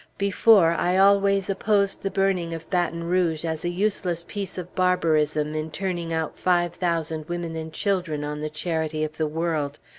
Before, I always opposed the burning of Baton Rouge, as a useless piece of barbarism in turning out five thousand women and children on the charity of the world.